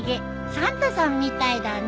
サンタさんみたいだね。